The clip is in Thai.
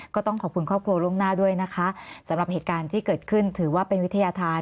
ก็ต้องขอบคุณครอบครัวล่วงหน้าด้วยนะคะสำหรับเหตุการณ์ที่เกิดขึ้นถือว่าเป็นวิทยาธาร